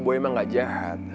gue emang gak jahat